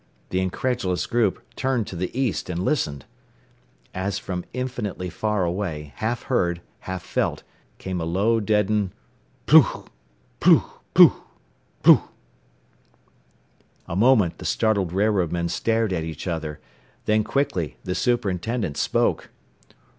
The incredulous group turned to the east and listened. As from infinitely far away, half heard, half felt, came a low, deadened "Plugk!... Plugk, plugk!... Plugk!" A moment the startled railroadmen stared at one another. Then quickly the superintendent spoke.